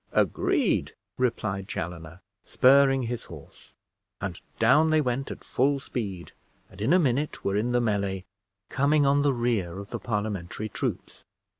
"Agreed," replied Chaloner, spurring his horse; and down they went at full speed, and in a minute were in the melee, coming on the rear of the Parliamentary troops.